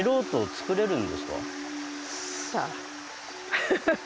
ハハハハ！